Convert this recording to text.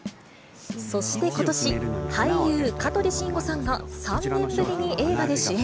そしてことし、俳優、香取慎吾さんが３年ぶりに映画で主演。